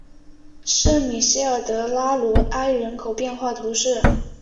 圣米歇尔德拉罗埃人口变化图示